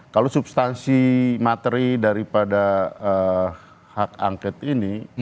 kalau substansi materi daripada hak angket ini